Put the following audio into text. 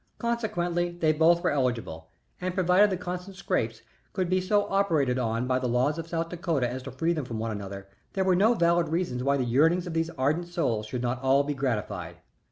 Consequently, they both were eligible, and provided the Constant Scrappes could be so operated on by the laws of South Dakota as to free them from one another, there were no valid reasons why the yearnings of these ardent souls should not all be gratified.